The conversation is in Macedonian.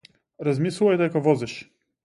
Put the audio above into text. Размислувај додека возиш.